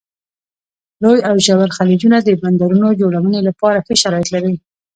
لوی او ژور خلیجونه د بندرونو جوړونې لپاره ښه شرایط لري.